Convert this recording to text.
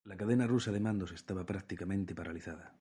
La cadena rusa de mandos estaba prácticamente paralizada.